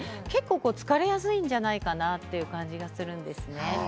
疲れやすいんじゃないかなという感じがします。